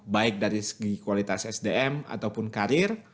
baik dari segi kualitas sdm ataupun karir